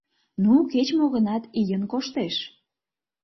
Ну, кеч-мо-гынат, ийын коштеш...